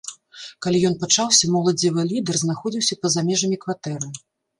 Калі ён пачаўся, моладзевы лідэр знаходзіўся па за межамі кватэры.